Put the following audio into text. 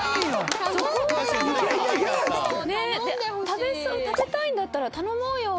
「食べたいんだったら頼もうよ」